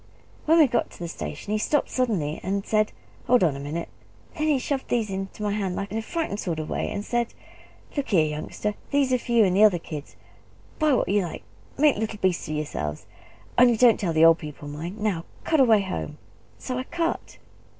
When we got to the station he stopped suddenly, and said, 'Hold on a minute!' Then he shoved these into my hand in a frightened sort of way; and said, 'Look here, youngster! These are for you and the other kids. Buy what you like make little beasts of yourselves only don't tell the old people, mind! Now cut away home!' So I cut."